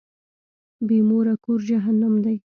بی موره کور جهنم دی.